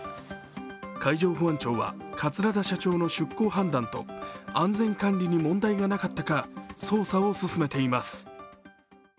海上保安庁は桂田社長の出航判断と安全管理に問題がなかったか捜査を進めています。